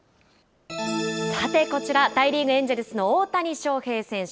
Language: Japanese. さてこちら、大リーグ・エンジェルスの大谷翔平選手。